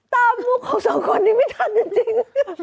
ตามวุคของสองคนดิไม่ทันจริง